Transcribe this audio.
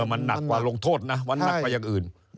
มันหนักกว่าลงโทษนะมันหนักกว่าอย่างอื่น